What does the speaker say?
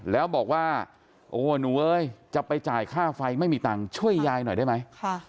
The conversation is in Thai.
แล้วบอกว่าโอ้หนูเอ้ยจะไปจ่ายค่าไฟไม่มีตังค์ช่วยยายหน่อยได้ไหม